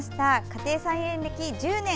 家庭菜園歴１０年。